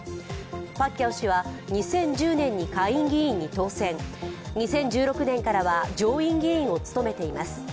パッキャオ氏は２０１０年に下院議員に当選、２０１６年からは上院議員を務めています。